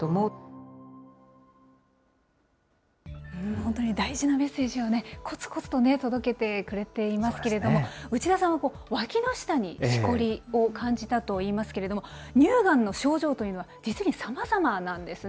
本当に大事なメッセージをね、こつこつと届けてくれていますけれども、内田さんはわきの下にしこりを感じたといいますけれども、乳がんの症状というのは、実にさまざまなんですね。